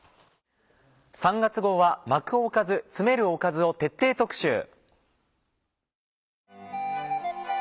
３月号は「巻くおかず、詰めるおかず」を徹底特集。